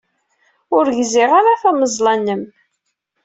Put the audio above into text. Ur gziɣ ara tameẓla-nnem.